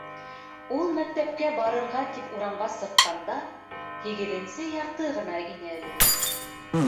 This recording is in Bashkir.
Ул мәктәпкә барырға тип урамға сыҡҡанда, һигеҙенсе ярты ғына ине әле.